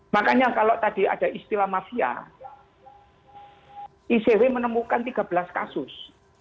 makanya kalau tadi ada istilah mafia icw menemukan tiga belas kasus